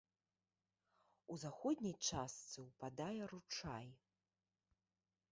У заходняй частцы ўпадае ручай.